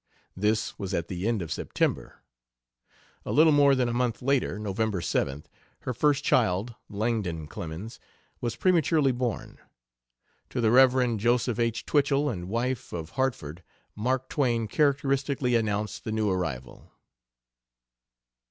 This was at the end of September. A little more than a month later, November 7th, her first child, Langdon Clemens, was prematurely born. To the Rev. Joseph H. Twichell and wife, of Hartford, Mark Twain characteristically announced the new arrival.